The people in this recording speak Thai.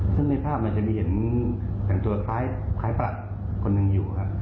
ซึ่งในภาพอาจจะมีเหลืออย่างโทษคล้ายประทึกคนนึงอยู่ค่ะ